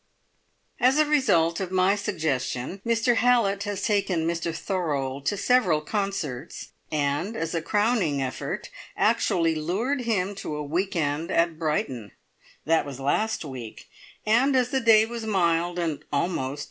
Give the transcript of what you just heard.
As a result of my suggestion, Mr Hallett has taken Mr Thorold to several concerts, and as a crowning effort actually lured him to a week end at Brighton. That was last week; and as the day was mild and almost!